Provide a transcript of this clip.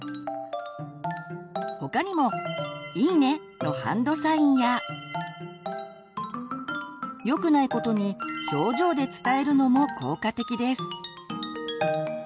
他にも「イイね！」のハンドサインや。よくないことに表情で伝えるのも効果的です。